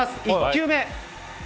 １球目。